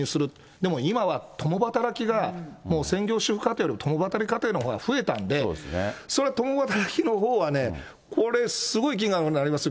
でも今は、共働きが、もう専業主婦家庭より共働き家庭のほうが増えたんで、それは共働きのほうがこれ、すごい金額になりますよ。